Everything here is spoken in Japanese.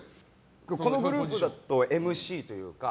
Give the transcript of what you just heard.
このグループだとＭＣというか。